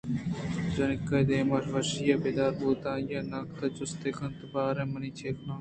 جنک ءِ دیم ءَ وشی ئے پدّر بوت ءُآئی ءَناگتءَ جستےکُت باریں تو من ءَ چہ اے کلام ءِ جنجالاںءَ چُٹینت کنئے ؟ آ چہ وشیءَ چاپ جت